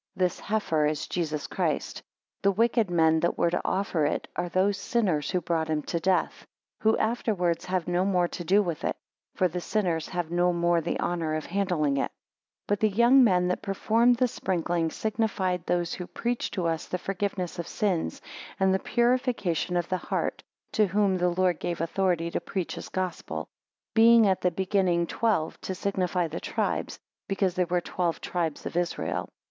4 This heifer is Jesus Christ; the wicked men that were to offer it are those sinners who brought him to death; who afterwards have no more to do with it: for the sinners have no more the honour of handling it: 5 But the young men that performed the sprinkling, signified those who preach to us the forgiveness of sins, and the purification of the heart, to whom the Lord gave authority to preach his Gospel: being at the beginning twelve, to signify the tribes, because there were twelve tribes of Israel.